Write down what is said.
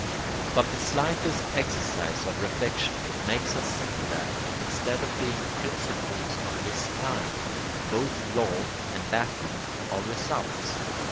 But the slightest exercise of reflexion makes us see that, instead of being principles of this kind, both law and latin are results.